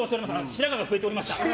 白髪が増えておりました。